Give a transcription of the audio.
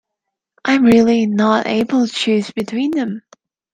I'm really not able to choose between them.